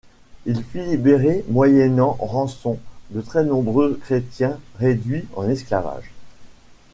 Il fit libérer, moyennant rançon, de très nombreux chrétiens réduits en esclavage.